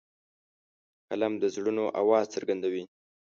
قلم د زړونو آواز څرګندوي